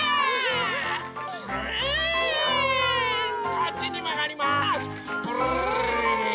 こっちにまがります。